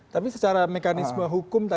tapi secara mekanisme hukum